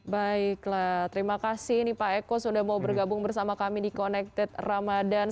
baiklah terima kasih nih pak eko sudah mau bergabung bersama kami di connected ramadan